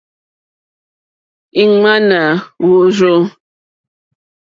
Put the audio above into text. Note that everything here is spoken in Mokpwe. Ìŋwánà wûrzú.